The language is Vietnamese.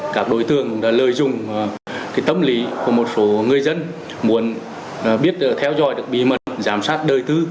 các đối tượng đã lợi dụng tâm lý của một số người dân muốn biết theo dõi được bí mật giám sát đời tư